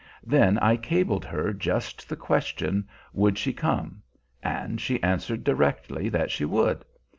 Then I cabled her just the question, Would she come? and she answered directly that she would.